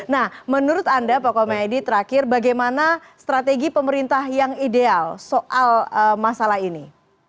nah menurut anda pak komedi terakhir bagaimana strategi pemerintah yang ideal soal masalah ini